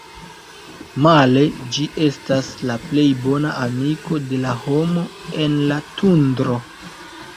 Male, ĝi estas la plej bona amiko de la homo en la Tundro.